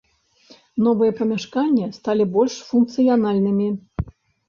Новыя памяшканні сталі больш функцыянальнымі.